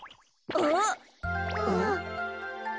あっ。